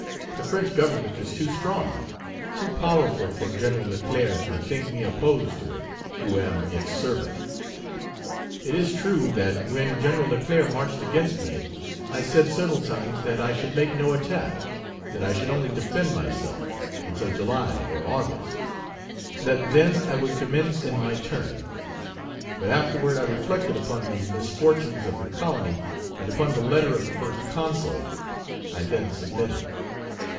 The French Government is too strong, too powerful, for Gen. Leclerc to think me opposed to it, who am its servant. It it is true, that when Gen. Leclerc marched against me, I said several times that I should make no attack, that I should only defend myself, until July or August; that then I would commence in my turn. But, afterward, I reflected upon the misfortunes of the colony and upon the letter of the First Consul; I then submitted.